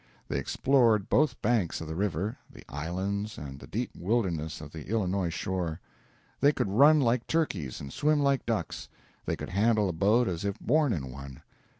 They explored both banks of the river, the islands, and the deep wilderness of the Illinois shore. They could run like turkeys and swim like ducks; they could handle a boat as if born in one.